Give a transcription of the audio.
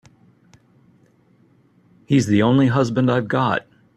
He's the only husband I've got.